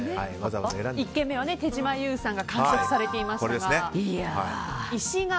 １軒目は手島優さんが完食されていましたが。